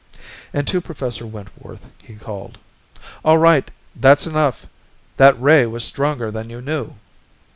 And to Professor Wentworth he called: "All right, that's enough! That ray was stronger than you knew!"